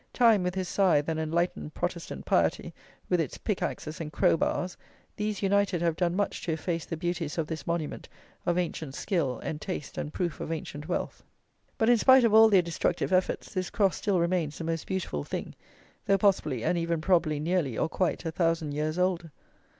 Time, with his scythe, and "enlightened Protestant piety," with its pick axes and crow bars; these united have done much to efface the beauties of this monument of ancient skill and taste and proof of ancient wealth; but in spite of all their destructive efforts, this Cross still remains a most beautiful thing, though possibly, and even probably, nearly, or quite, a thousand years old.